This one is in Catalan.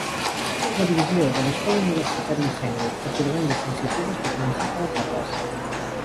La divisió de l'Escola Universitària Sènior atorgant llicenciatures va començar per etapes.